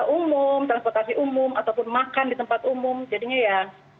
umum transportasi umum ataupun makan di tempat umum jadinya ya